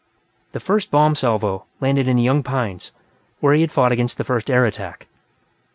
The first bomb salvo landed in the young pines, where he had fought against the first air attack.